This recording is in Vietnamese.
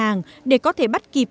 các ngân hàng để có thể bắt kịp